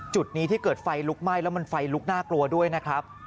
จุดนี้ที่เกิดไฟลุกไหม้แล้วมันไฟลุกน่ากลัวด้วยนะครับ